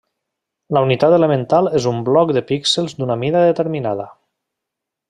La unitat elemental és un bloc de píxels d'una mida determinada.